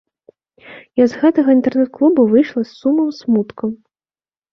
Я з гэтага інтэрнэт-клубу выйшла з сумам-смуткам.